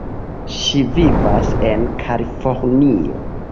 Ŝi vivas en Kalifornio.